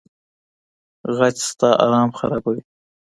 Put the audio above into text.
غچ ستا ارام خرابوي.